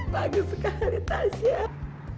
bagus sekali tansyah